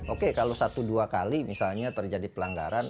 oke kalau satu dua kali misalnya terjadi pelanggaran